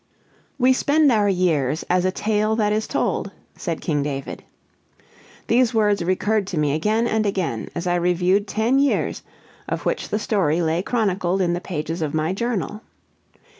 "We spend our years as a tale that is told," said King David. These words recurred to me again and again as I reviewed ten years, of which the story lay chronicled in the pages of my journal.